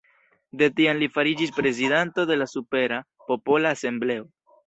De tiam li fariĝis prezidanto de la Supera Popola Asembleo.